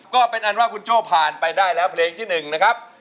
ก็เป็นอันว่าคุณโจ้ผ่านไปได้แล้วเพลงที่๑นะครับ